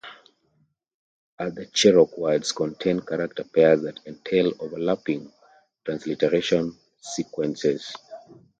Other Cherokee words contain character pairs that entail overlapping transliteration sequences.